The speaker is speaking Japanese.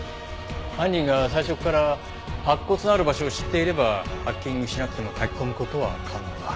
犯人が最初から白骨のある場所を知っていればハッキングしなくても書き込む事は可能だ。